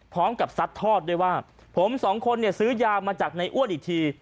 พร้อมกับซัดทอดด้วยว่าผม๒คนซื้อยามาจากนายอ้วนอีกที